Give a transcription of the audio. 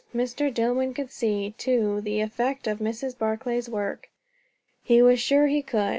Mr. Dillwyn could see, too, the effect of Mrs. Barclay's work. He was sure he could.